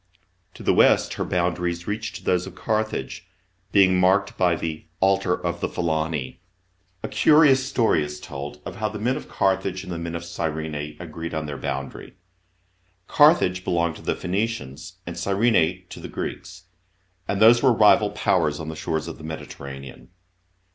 To the west her boundaries reached those of Carthage, being marked by the " Altar of the Phitaeni." A curious story is told of how the men of Carthage and the men of Gyrene agreed on their boundary. Carthage belonged to the Phoenicians and Gyrene to the Greeks, and these were rival Powers on the shores of the Mediterranean.